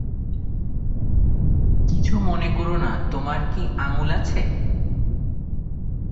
কিছু মনে কোরো না, তোমার কি আঙ্গুল আছে?